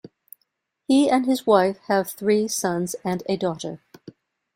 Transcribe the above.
He and his wife have three sons and a daughter.